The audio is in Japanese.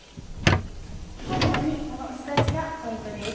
最後にこのすだちがポイントです。